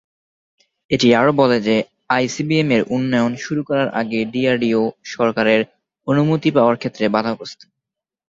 এটি আরও বলে যে আইসিবিএম-এর উন্নয়ন শুরু করার আগে ডিআরডিও সরকারের অনুমতি পাওয়ার ক্ষেত্রে বাধাগ্রস্থ।